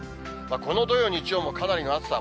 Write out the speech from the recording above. この土曜、日曜もかなりの暑さ。